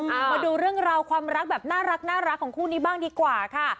มาดูเรื่องราวความรักแบบน่ารักของคู่นี้บ้างดีกว่าค่ะ